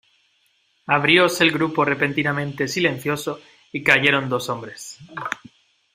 abrióse el grupo repentinamente silencioso, y cayeron dos hombres.